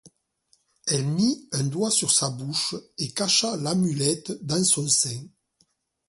Elle mit un doigt sur sa bouche et cacha l'amulette dans son sein.